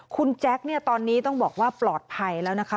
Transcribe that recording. คุณแจ๊คเนี่ยตอนนี้ต้องบอกว่าปลอดภัยแล้วนะคะ